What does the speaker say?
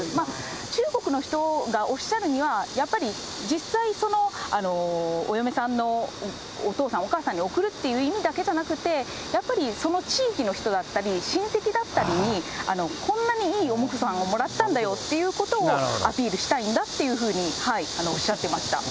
中国の人がおっしゃるには、やっぱり実際、そのお嫁さんのお父さん、お母さんに贈るっていう意味だけじゃなくて、やっぱりその地域の人だったり、親戚だったりに、こんなにいいお婿さんをもらったんだよということを、アピールしたいんだっていうふうにおっしゃってました。